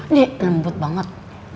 ini lembut banget